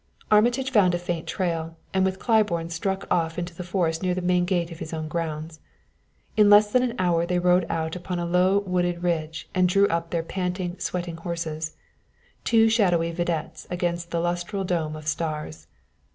Armitage found a faint trail, and with Claiborne struck off into the forest near the main gate of his own grounds. In less than an hour they rode out upon a low wooded ridge and drew up their panting, sweating horses two shadowy videttes against the lustral dome of stars.